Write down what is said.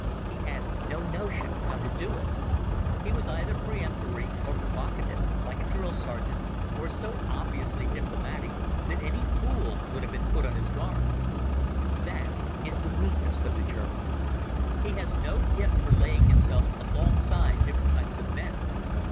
He had no notion how to do it. He was either peremptory and provocative, like a drill sergeant, or so obviously diplomatic that any fool would have been put on his guard. That is the weakness of the German. He has no gift for laying himself alongside different types of men.